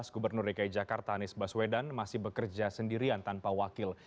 gubernur dki jakarta anies baswedan masih bekerja sendirian tanpa wakil